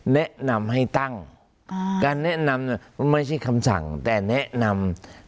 แนะนำให้ตั้งการแนะนำไม่ใช่คำสั่งแต่แนะนำ